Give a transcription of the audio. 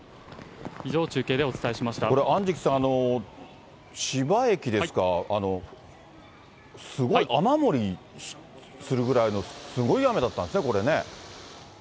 以上、これ安食さん、千葉駅ですか、すごい雨漏りするぐらいのすごい雨だったんですね、これね。